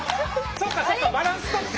そっかそっかバランスとって。